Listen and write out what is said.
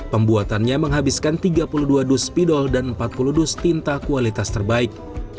pembuatannya menghabiskan tiga puluh dua dus pidol dan empat puluh dus tinta kualitas terbaik